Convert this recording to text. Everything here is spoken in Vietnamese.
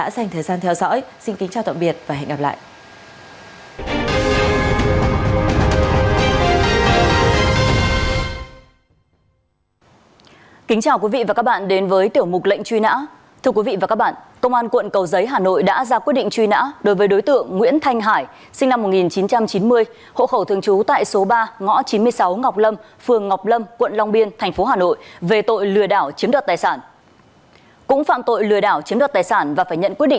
xin kính chào tạm biệt và hẹn gặp lại